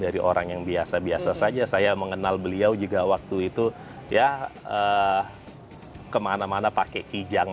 dari orang yang biasa biasa saja saya mengenal beliau juga waktu itu ya kemana mana pakai kijang